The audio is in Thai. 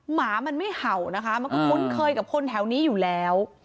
หมามันไม่เห่านะคะมันก็คุ้นเคยกับคนแถวนี้อยู่แล้ว